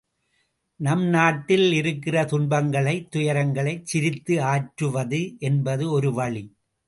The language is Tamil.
நம் நாட்டில் இருக்கிற துன்பங்களை, துயரங்களைச் சிரித்து ஆற்றுவது என்பது ஒரு வழி.